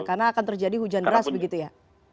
karena akan terjadi hujan beras begitu ya